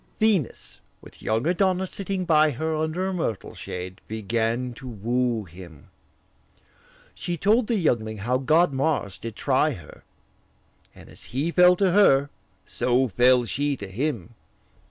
Venus, with young Adonis sitting by her Under a myrtle shade, began to woo him: She told the youngling how god Mars did try her, And as he fell to her, so fell she to him.